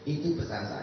itu pesan saya